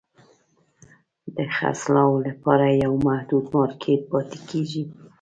د خرڅلاو لپاره یو محدود مارکېټ پاتې کیږي.